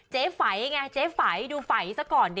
เจ๊ไฝ่ไงเจ๊ไฝ่ดูไฝ่ซะก่อนดิ